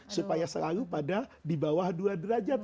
supaya selalu pada di bawah dua derajat